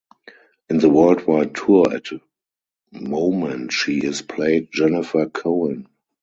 In the worldwide tour at moment she is played Jennifer Cohen.